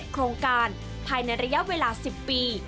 โครงการภายในระยะเวลา๑๐ปี